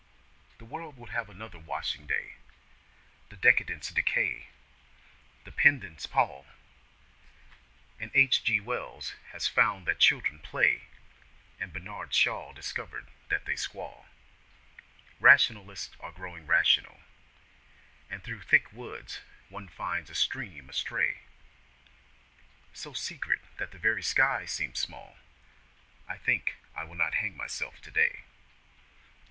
The world will have another washing day; The decadents decay; the pedants pall; And H.G. Wells has found that children play, And Bernard Shaw discovered that they squall; Rationalists are growing rational And through thick woods one finds a stream astray, So secret that the very sky seems small I think I will not hang myself today.